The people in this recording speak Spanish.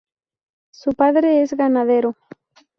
Su padre es ganadero.